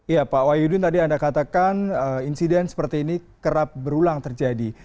ya pak wahyudin tadi anda katakan insiden seperti ini kerap berulang terjadi